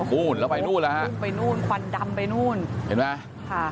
นู่นแล้วไปนู่นแล้วฮะพุ่งไปนู่นควันดำไปนู่นเห็นไหมค่ะ